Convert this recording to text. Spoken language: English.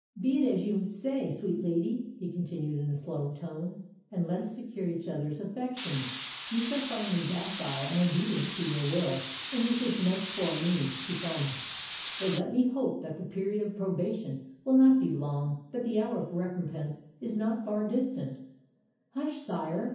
Be it as you say, sweet lady," he continued, in a slower tone; "and let us secure each other's affections. You shall find me docile and obedient to your will—and this is much for me to promise. But let me hope that the period of probation will not be long—that the hour of recompense is not far distant——" "Hush, sire!"